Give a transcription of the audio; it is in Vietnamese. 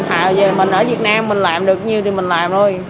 hạ về mình ở việt nam mình làm được nhiều thì mình làm thôi